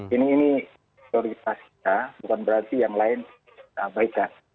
ini prioritas kita bukan berarti yang lain kita abaikan